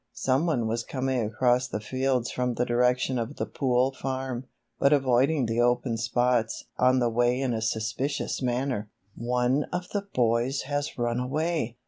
Some one was coming across the fields from the direction of the Pool Farm, but avoiding the open spots on the way in a suspicious manner. "One of the boys has run away!"